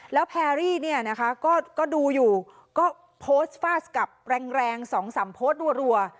แล้วแพรรี่ก็ดูอยู่ก็โพสต์ฟาสต์กลับแรง๒๓โพสต์รัว